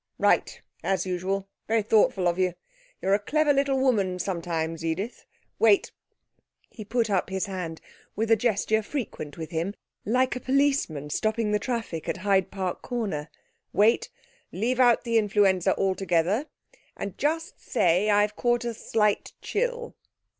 'Right as usual; very thoughtful of you; you're a clever little woman sometimes, Edith. Wait!' he put up his hand with a gesture frequent with him, like a policeman stopping the traffic at Hyde Park Corner. 'Wait! leave out the influenza altogether, and just say I've caught a slight chill.'